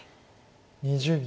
２０秒。